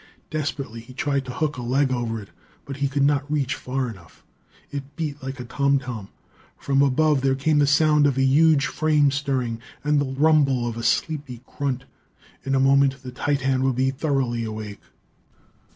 Desperately he tried to hook a leg over it, but could not reach far enough. It beat like a tom tom. From above, there came the sound of a huge frame stirring, and the rumble of a sleepy grunt. In a moment, the titan would be thoroughly awake.